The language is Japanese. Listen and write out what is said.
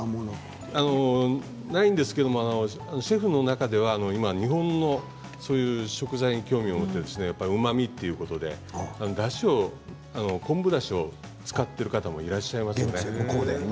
ないんですけどシェフの中では日本のそういう食材に興味を持ってうまみということでだしを、昆布だしを使っている方もいらっしゃいますね。